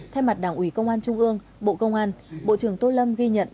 thay mặt đảng ủy công an trung ương bộ công an bộ trưởng tô lâm ghi nhận